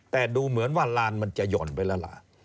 แต่ดูเหมือนว่าลานมันจะห่อนไปแล้วล่ะ